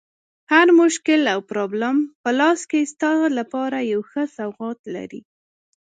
هر مشکل او پرابلم په لاس کې ستا لپاره یو ښه سوغات لري.